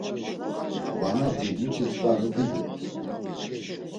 Vanati muti t̆ǩvare digurt̆u.